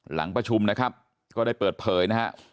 หลังประชุมนะครับก็ได้เปิดเผยนะฮะ